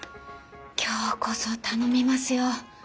今日こそ頼みますよ。